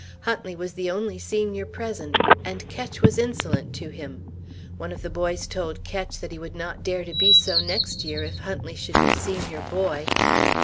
Huntley was the only senior present, and Ketch was insolent to him. One of the boys told Ketch that he would not dare to be so, next year, if Huntley should be senior boy.